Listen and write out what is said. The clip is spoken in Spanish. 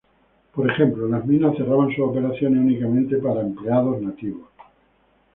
Por ejemplo, las minas cerraban sus operaciones únicamente para empleados nativos.